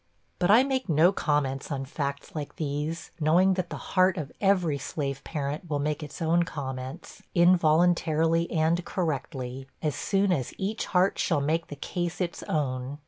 But I make no comments on facts like these, knowing that the heart of every slave parent will make its own comments, involuntarily and correctly, as soon as each heart shall make the case its own.